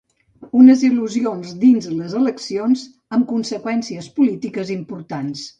Unes il·lusions dins les eleccions, amb conseqüències polítiques importants.